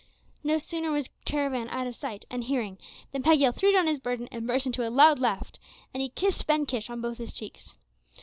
No sooner was the caravan out of sight and hearing than Pagiel threw down his burden and burst into a loud laugh; and he kissed. Ben Kish on both his cheeks.